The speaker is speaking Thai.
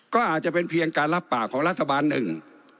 ก็อาจจะเป็นเพียงการรับปากของรัฐบาลหนึ่ง